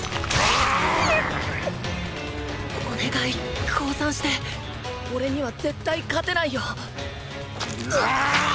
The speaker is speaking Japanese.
お願い降参しておれには絶対勝てないよ。